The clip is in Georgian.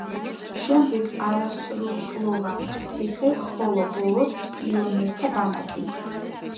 შემდეგ არასრულწლოვანთა ციხე, ხოლო ბოლოს პიონერთა ბანაკი.